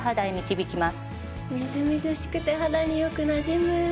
みずみずしくて肌によくなじむ。